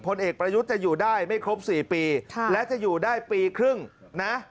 เอกประยุทธ์จะอยู่ได้ไม่ครบ๔ปีและจะอยู่ได้ปีครึ่งนะ